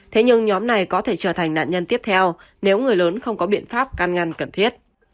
thế nhưng nhóm này có thể trở thành nạn nhân tiếp theo nếu người lớn không có biện pháp can ngăn cần thiết